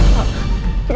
saya mau pergi